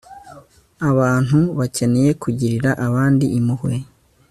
abantu bakeneye kugirira abandi impuhwe